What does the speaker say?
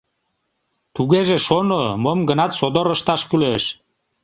Тугеже шоно, мом-гынат содор ышташ кӱлеш!